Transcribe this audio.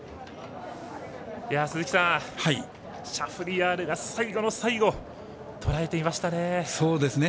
鈴木さん、シャフリヤールが最後の最後、とらえていましたね。